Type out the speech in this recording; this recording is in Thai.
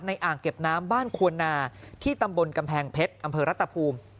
อ่างเก็บน้ำบ้านควรนาที่ตำบลกำแพงเพชรอำเภอรัตภูมิ